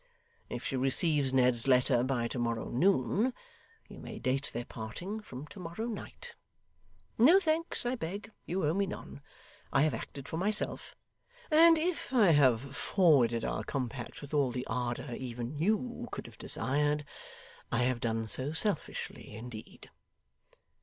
If she receives Ned's letter by to morrow noon, you may date their parting from to morrow night. No thanks, I beg; you owe me none. I have acted for myself; and if I have forwarded our compact with all the ardour even you could have desired, I have done so selfishly, indeed.